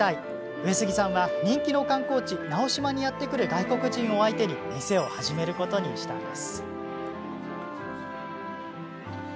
上杉さんは、人気の観光地直島にやって来る外国人を相手に店を始めることにしたんです。